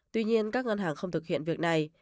tuy nhiên các ngân hàng không thực hiện việc này